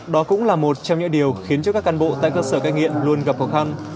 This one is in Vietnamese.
đó cũng là một trong những điều khiến cho các cán bộ tại cơ sở cai nghiện luôn gặp khó khăn